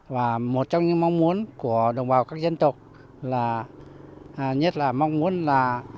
và một trong những mong muốn của đồng bào các dân tộc là nhất là mong muốn là